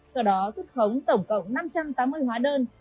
sau đó xuất khống tổng cộng năm trăm tám mươi hóa đơn